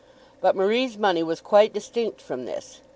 But Marie's money was quite distinct from this.